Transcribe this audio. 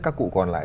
các cụ còn lại